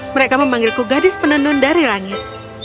mereka memanggilku gadis penenun dari langit